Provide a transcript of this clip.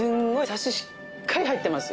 サシしっかり入ってますよ。